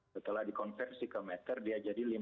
setelah dikonversi ke meter dia jadi